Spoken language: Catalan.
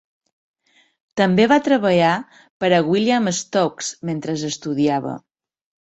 També va treballar per a William Stokes mentre estudiava.